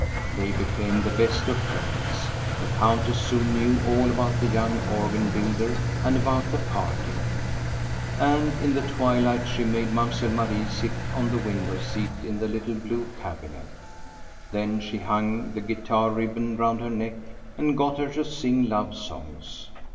They became the best of friends. The countess soon knew all about the young organ builder and about the parting. And in the twilight she made Mamselle Marie sit on the window seat in the little blue cabinet. Then she MAMSELLE MARIE 245 hung the guitar ribbon round her neck and got her to sing love songs.